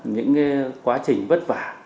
những quá trình vất vả